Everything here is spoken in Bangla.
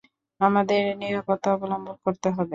আমাদের নিরাপত্তা অবলম্বন করতে হবে।